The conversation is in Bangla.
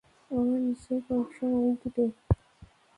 ওটা নিশ্চয় কয়েকশো মাইল দূরে।